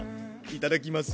いただきます。